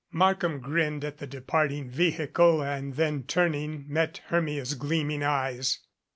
Markham grinned at the departing vehicle and then, turning, met Hermia's gleaming eyes.